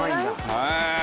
へえ！